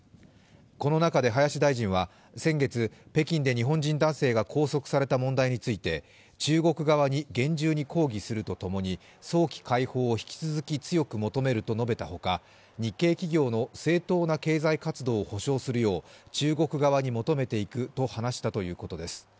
この中で林大臣は先月、北京で日本人男性が拘束された問題について中国側に厳重に抗議すると共に早期解放を引き続き強く求めると述べたほか日系企業の正当な経済活動を保証するよう中国側に求めていくと話したということです。